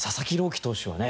希投手はね。